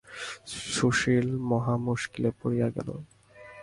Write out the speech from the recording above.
সুশীল মহা মুশকিলে পড়িয়া গেল।